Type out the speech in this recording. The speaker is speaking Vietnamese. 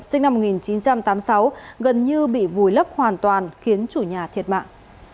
sinh năm một nghìn chín trăm tám mươi sáu gần như bị vùi lấp hoàn toàn khiến chủ nhà thiệt mạng